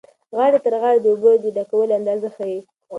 غاړې تر غاړې د اوبو د ډکوالي اندازه ښیي.